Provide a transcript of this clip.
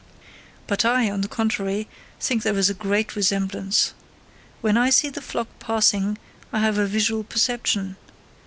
But I, on the contrary, think there is a great resemblance. When I see the flock passing, I have a visual perception.